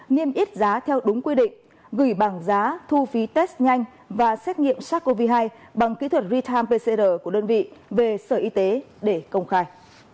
niêm yết giá theo đúng quy định gửi bảng giá thu phí test nhanh và xét nghiệm sars cov hai bằng kỹ thuật real pcr của đơn vị về sở y tế để công khai